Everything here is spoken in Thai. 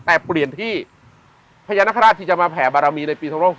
แต่เปลี่ยนที่พญานาคาราชที่จะมาแผ่บารมีในปี๒๖๖